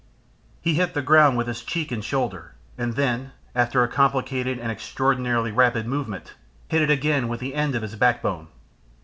He hit the ground with his cheek and shoulder, and then, after a complicated and extraordinarily rapid movement, hit it again with the end of his backbone.